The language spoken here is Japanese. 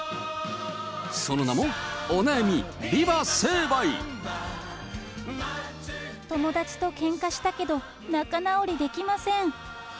その名も、友達とけんかしたけど仲直りできません。